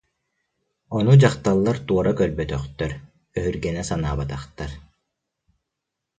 Ону дьахталлар туора көрбөтөхтөр, өһүргэнэ санаабатахтар